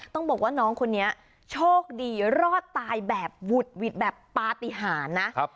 ต้องบอกว่าน้องคนนี้โชคดีรอดตายแบบบุดหวิดแบบปฏิหารนะ